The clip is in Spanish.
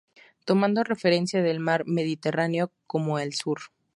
Tomando referencia el mar Mediterráneo como el sur.